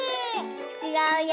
ちがうよ。